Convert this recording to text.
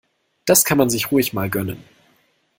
Das kann man sich ruhig mal gönnen.